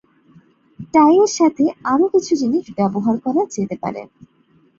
টাই এর সাথে আরও কিছু জিনিস ব্যবহার করা যেতে পারে।